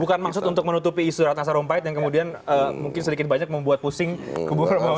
bukan maksud untuk menutupi surat nasar rompait yang kemudian mungkin sedikit banyak membuat pusing keburu buru